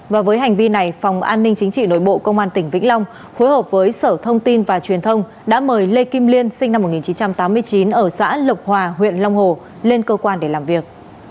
và với hành vi này phòng an ninh chính trị nội bộ công an tỉnh vĩnh long phối hợp với sở thông tin và truyền thông đã mời lê kim liên sinh năm một nghìn chín trăm tám mươi chín ở xã lộc hòa huyện long hồ lên cơ quan để làm việc